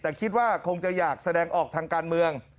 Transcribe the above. แต่คิดว่าคงจะอยากแสดงออกทางการเมือง